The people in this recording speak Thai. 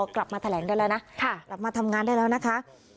กลับมาแถลงได้แล้วนะกลับมาทำงานได้แล้วนะคะ